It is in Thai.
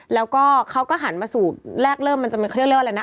แล้วเค้าก็หันมาสูบแลกเริ่มมันจะมีเคลียร์เรื่องอะไรน่ะ